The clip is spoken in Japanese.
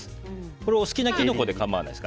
これ、お好きなキノコで構わないです。